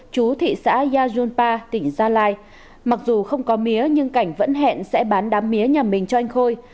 chú thị xã yajunpa tỉnh gia lai mặc dù không có mía nhưng cảnh vẫn hẹn sẽ bán đám mía nhà mình cho anh khôi